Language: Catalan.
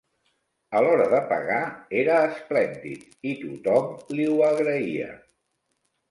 A l'hora de pagar era esplèndid i tothom li ho agraïa.